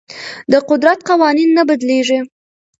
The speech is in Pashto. د قدرت قوانین نه بدلیږي.